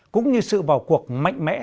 cũng như sự vào cuộc mạnh mẽ